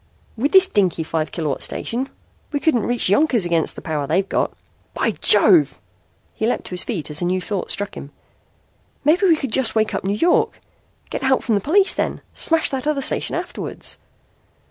"With this dinky, five kilowatt station? We couldn't reach Yonkers against the power they've got. By Jove!" He leaped to his feet as a new thought struck him. "Maybe we could just wake up New York. Get help from the police then! Smash that other station afterwards!"